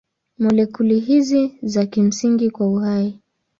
Molekuli hizi ni za kimsingi kwa uhai.